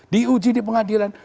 diuji di pengadilan